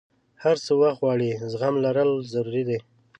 هر څه وخت غواړي، زغم لرل ضروري دي.